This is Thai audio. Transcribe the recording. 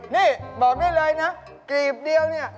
นี่บอกได้เลยนะกรีบเดียวเนี่ย